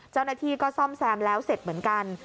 เจ้าหน้าที่ก็ซ่อมแซมแล้วเสร็จเหมือนกัน